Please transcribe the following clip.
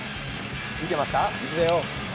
見てました？